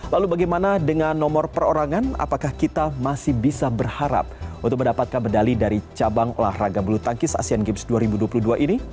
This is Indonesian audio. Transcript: lalu bagaimana dengan nomor perorangan apakah kita masih bisa berharap untuk mendapatkan medali dari cabang olahraga bulu tangkis asean games dua ribu dua puluh dua ini